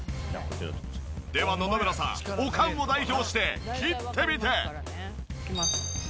では野々村さんおかんを代表して切ってみて。